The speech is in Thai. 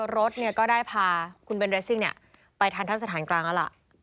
รถก็ได้พาคุณเบนเรสซิ่งไปทันทะสถานกลางแล้วล่ะ